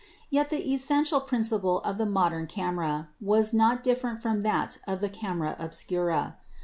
Yet the essential principle of the modern camera was not different from that of the camera obscura.